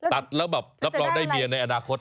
ตัดแล้วแบบรับรองได้เมียในอนาคต